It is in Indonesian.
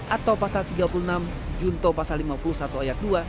atau pasal tiga puluh enam junto pasal lima puluh satu ayat dua